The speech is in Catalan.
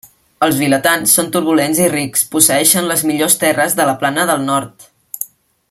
Els vilatans són turbulents i rics, posseeixen les millors terres a la plana del nord.